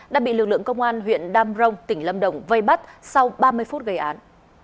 đã bị lực lượng công an huyện đam rông tỉnh lâm đồng vây bắt sau ba mươi phút gây án